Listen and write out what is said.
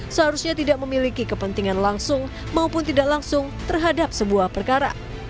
seharusnya tidak memiliki kepentingan langsung maupun tidak langsung terhadap sebuah perkara